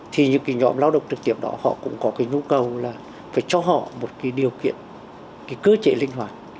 thì những nhóm lao động trực tiếp đó họ cũng có nhu cầu là phải cho họ một điều kiện cơ chế linh hoạt